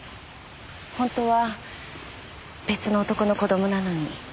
本当は別の男の子供なのに。